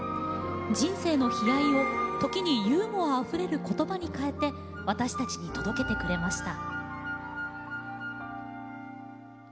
人生の悲哀をときにユーモアあふれることばにかえて私たちに届けてくれました。